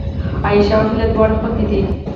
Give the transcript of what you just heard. عایشه او هیله دواړه خوېندې دي